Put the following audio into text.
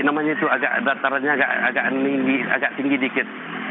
namanya itu agak datarannya agak tinggi dikit